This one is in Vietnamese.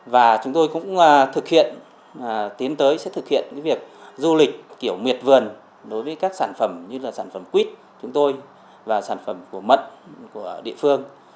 và chúng tôi cũng thực hiện tiến tới sẽ thực hiện việc du lịch kiểu miệt vườn đối với các sản phẩm như là sản phẩm quýt chúng tôi và sản phẩm của mận của địa phương